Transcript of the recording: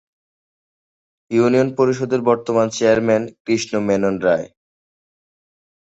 Union পরিষদের বর্তমান chairman Krishna Menon রায়।